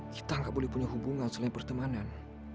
kita nggak boleh punya hubungan selain pertemanan